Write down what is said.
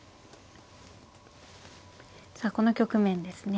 さあこの局面ですね。